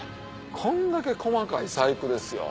こんだけ細かい細工ですよ。